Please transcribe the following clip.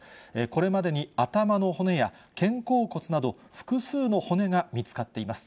これまでに頭の骨や肩甲骨など、複数の骨が見つかっています。